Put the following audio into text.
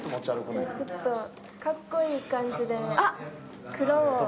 じゃあちょっとかっこいい感じで黒を。